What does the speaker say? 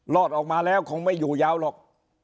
รอดออกมาแล้วคงไม่อยู่ยาวหรอก